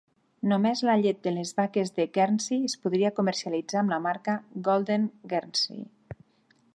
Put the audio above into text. Només la llet de les vaques de Guernsey es podia comercialitzar amb la marca Golden Guernsey.